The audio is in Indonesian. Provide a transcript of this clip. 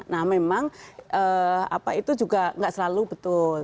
nah memang itu juga tidak selalu betul